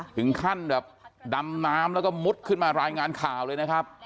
ถึงขั้นแบบดำน้ำแล้วก็มุดขึ้นมารายงานข่าวเลยนะครับ